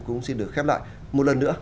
cũng xin được khép lại một lần nữa